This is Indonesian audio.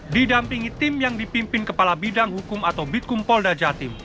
didampingi tim yang dipimpin kepala bidang hukum atau bitkumpol dajatim